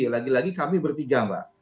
lagi lagi kami bertiga mbak